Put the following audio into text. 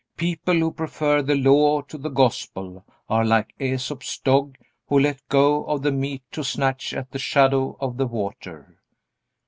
People who prefer the Law to the Gospel are like Aesop's dog who let go of the meat to snatch at the shadow of the water.